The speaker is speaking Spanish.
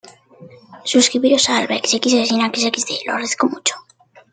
Él ha hecho muchos doblajes, especialmente caricaturas.